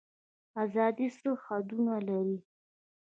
ازادي څه حدود لري؟